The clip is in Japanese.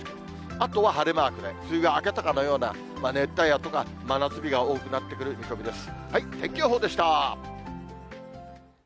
あとは晴れマークで、梅雨が明けたかのような熱帯夜とか真夏日が多くなってくる見込みです。